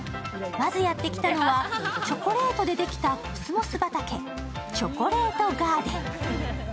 まずやってきたのは、チョコレートでできたコスモス畑チョコレートガーデン。